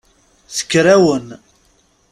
Tuker-awen.